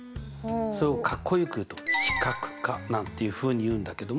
それをかっこよく言うと視覚化なんていうふうに言うんだけども。